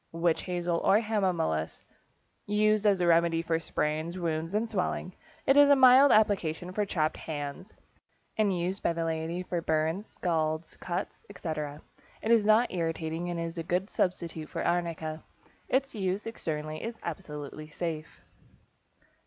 =Witch Hazel or Hamamelis.= Used as a remedy for sprains, wounds, and swelling. It is a mild application for chapped hands, and used by the laity for burns, scalds, cuts, etc. It is not irritating, and is a good substitute for arnica. Its use externally is absolutely safe.